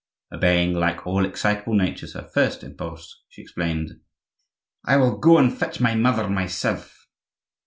Obeying, like all excitable natures, her first impulse, she exclaimed:— "I will go and fetch my mother myself!"